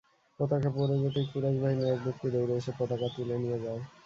পতাকা পড়ে যেতেই কুরাইশ বাহিনীর এক ব্যক্তি দৌড়ে এসে পতাকা তুলে নিয়ে যায়।